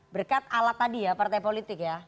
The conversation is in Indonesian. berkat alat tadi ya partai politik ya